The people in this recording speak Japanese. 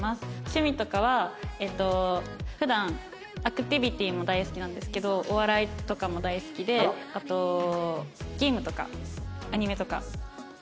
趣味とかは普段アクティビティーも大好きなんですけどお笑いとかも大好きであとゲームとかアニメとか。